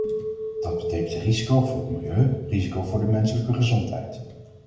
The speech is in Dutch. Dat betekent risico voor het milieu, risico voor de menselijke gezondheid.